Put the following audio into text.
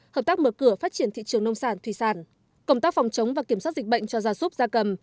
hợp tác mở cửa phát triển thị trường nông sản thủy sản công tác phòng chống và kiểm soát dịch bệnh cho gia súc gia cầm